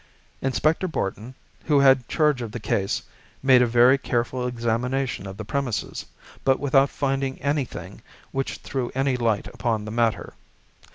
Inspector Barton, who had charge of the case, made a very careful examination of the premises, but without finding anything which threw any light upon the matter.